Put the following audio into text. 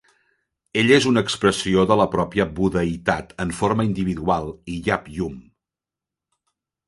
Ell és una expressió de la pròpia budeïtat en forma individual i yab-yum.